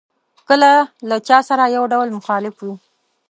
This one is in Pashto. کله له چا سره یو ډول مخالف وي.